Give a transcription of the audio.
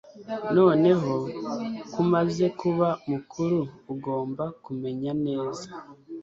Noneho ko umaze kuba mukuru ugomba kumenya neza